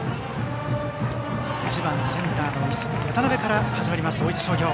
１番センター、渡邊から始まります、大分商業。